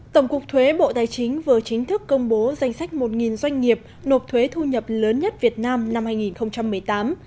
tổng cục thuế bộ tài chính vừa chính thức công bố danh sách một doanh nghiệp nộp thuế thu nhập lớn nhất việt nam năm hai nghìn một mươi tám